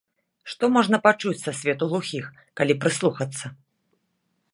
Што можна пачуць са свету глухіх, калі прыслухацца?